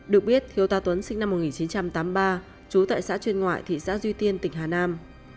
được biết thiếu tá tuấn sinh năm một nghìn chín trăm tám mươi ba trú tại xã chuyên ngoại thị xã duy tiên tỉnh hà nam